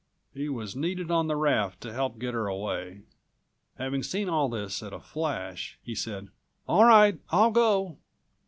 He was needed on the raft to help215 get her away. Having seen all this at a flash he said: "All right; I'll go."